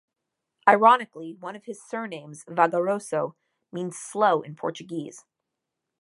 Ironically, one of his surnames, "Vagaroso", means "slow" in Portuguese.